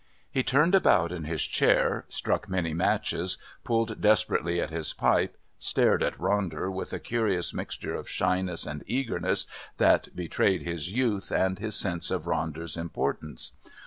He turned about in his chair, struck many matches, pulled desperately at his pipe, stared at Ronder with a curious mixture of shyness and eagerness that betrayed his youth and his sense of Ronder's importance.